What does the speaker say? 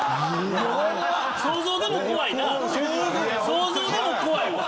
想像でも怖いわ。